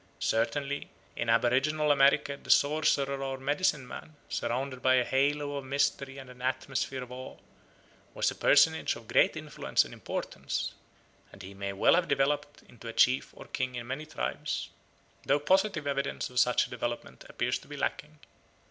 Certainly, in aboriginal America the sorcerer or medicine man, surrounded by a halo of mystery and an atmosphere of awe, was a personage of great influence and importance, and he may well have developed into a chief or king in many tribes, though positive evidence of such a development appears to be lacking.